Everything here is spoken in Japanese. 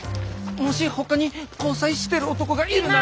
もしほかに交際してる男がいるなら。